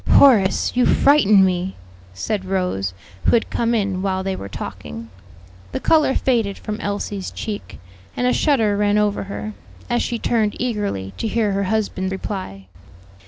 "Horace, you frighten me," said Rose, who had come in while they were talking. The color faded from Elsie's cheek, and a shudder ran over her, as she turned eagerly to hear her husband reply.